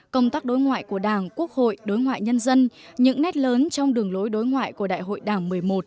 công tác đối ngoại của đảng quốc hội đối ngoại nhân dân những nét lớn trong đường lối đối ngoại của đại hội đảng một mươi một